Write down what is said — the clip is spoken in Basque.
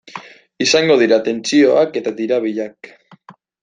Izango dira tentsioak eta tirabirak.